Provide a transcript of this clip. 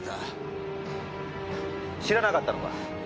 知らなかったのか？